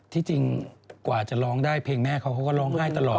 ที่จริงกว่าจะร้องได้เพลงแม่เขาเขาก็ร้องไห้ตลอด